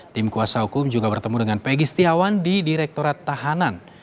tim kuasa hukum juga bertemu dengan pegi setiawan di direktorat tahanan